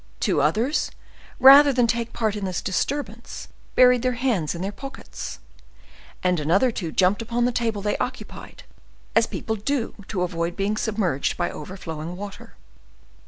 Two others, rather than take part in this disturbance, buried their hands in their pockets; and another two jumped upon the table they occupied, as people do to avoid being submerged by overflowing water.